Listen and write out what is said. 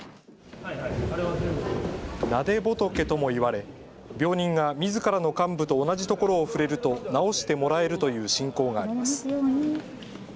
撫仏とも言われ病人がみずからの患部と同じところを触れると治してもらえるという信仰があります。